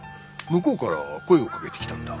向こうから声をかけてきたんだ。